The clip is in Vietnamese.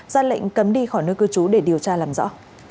ra lệnh cấm đi khỏi nơi cư trú để điều tra làm rõ